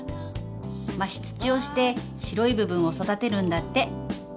増し土をして白い部分を育てるんだって。